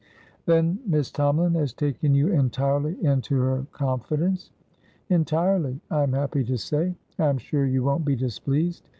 "Then Miss Tomalin has taken you entirely into her confidence?" "Entirely, I am happy to say. I am sure you won't be displeased.